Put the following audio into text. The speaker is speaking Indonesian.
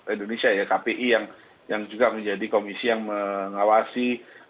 indonesia ya kpi yang juga menjadi komisi yang mengawasi